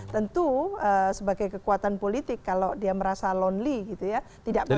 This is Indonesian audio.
tentu sebagai kekuatan politik kalau dia merasa lonely gitu ya